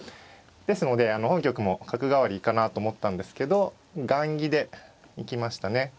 ですので本局も角換わりかなと思ったんですけど雁木で行きましたね。